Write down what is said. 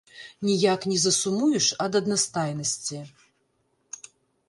Ніяк не засумуеш ад аднастайнасці.